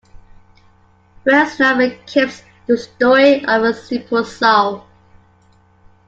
Wells's novel "Kipps: The Story of a Simple Soul".